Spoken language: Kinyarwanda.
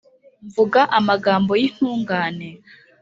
Mvuga amagambo y'intungane!